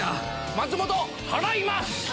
松本払います！